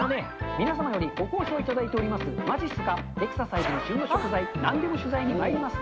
皆さんよりご好評いただいておりますまじっすか、エクササイズから旬の食材、なんでも取材にまいります。